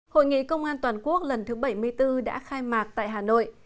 hội nghị công an toàn quốc lần thứ bảy mươi bốn đã khai mạc tại hà nội